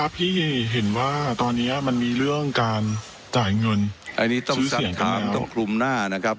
พี่เห็นว่าตอนนี้มันมีเรื่องการจ่ายเงินอันนี้ต้องสั่งการต้องคลุมหน้านะครับ